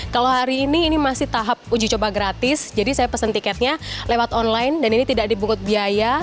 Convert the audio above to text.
kalau hari ini ini masih tahap uji coba gratis jadi saya pesen tiketnya lewat online dan ini tidak dipungut biaya